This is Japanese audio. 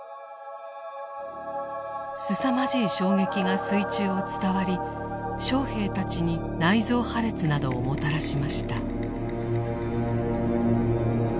すさまじい衝撃が水中を伝わり将兵たちに内臓破裂などをもたらしました。